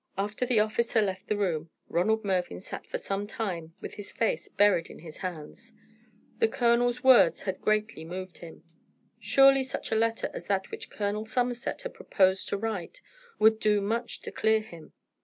After the officer left the room, Ronald Mervyn sat for some time with his face buried in his hands. The colonel's words had greatly moved him. Surely such a letter as that which Colonel Somerset had proposed to write would do much to clear him.